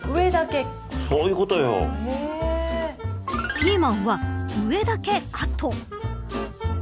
ピーマンは上だけカット。